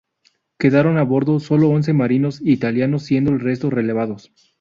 Quedaron a bordo solo once marinos italianos siendo el resto relevados.